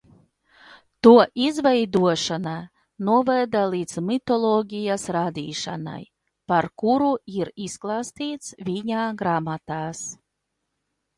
To izveidošana noveda līdz mitoloģijas radīšanai, par kuru ir izklāstīts viņa grāmatās.